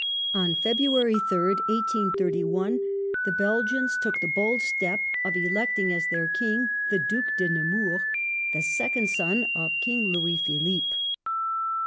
^ On February 3rd, 1831, the Belgians took the bold step of electing as their King the Due de Nemours, the second son of King Louis Philippe.